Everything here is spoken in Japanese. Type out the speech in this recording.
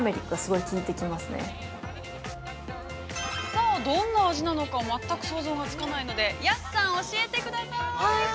◆さあどんな味なのか全く想像がつかないので、安さん、教えてください！